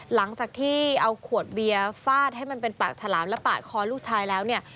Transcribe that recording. หลังจากที่เอาขวดเบียร์ฟาดให้มันเป็นปากฉลามและปาดคอลูกชายแล้วเนี่ย